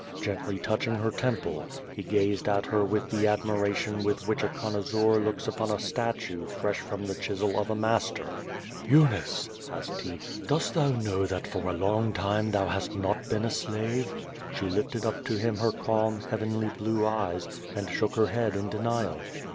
Gently touch ing her temple, he gazed at her with the admiration with which a connoisseur looks upon a statue fresh from the chisel of a master. "Eunice," asked he, "dost thou know that for a long tinie thou hast not been a slave?" She lifted up to him her calm, heavenly blue eyes, and shook her head in denial.